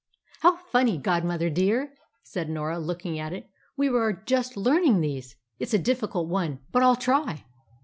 "How funny, godmother dear!" said Norah, looking at it. "We are just learning these. It's a difficult one, but I'll try."